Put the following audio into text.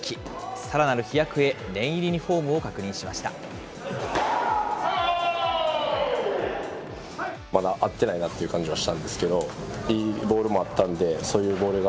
さらなる飛躍へ、念入りにフォームを確認しました。